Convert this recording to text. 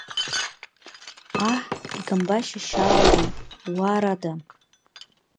Аҳ икамбашь ашьа алабеит, уаа-рада!